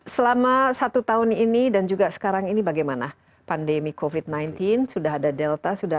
selama satu tahun ini dan juga sekarang ini bagaimana pandemi covid sembilan belas sudah ada delta